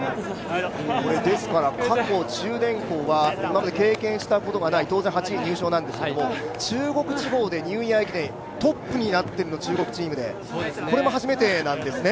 過去、中電工は、今まで経験したことがない当然８位入賞なんですけれども、中国地方でニューイヤー駅伝トップになって中国チームで、これも初めてなんですね。